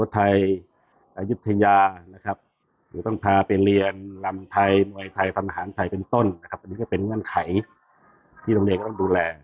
ที่โรงเรียนก็ต้องดูแล